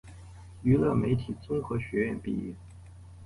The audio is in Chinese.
娱乐媒体综合学院毕业。